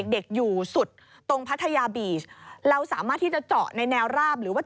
เด็กอยู่สุดตรงพัทยาบีชเราสามารถที่จะเจาะในแนวราบหรือว่า